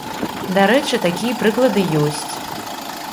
Дарэчы, такія прыклады ёсць.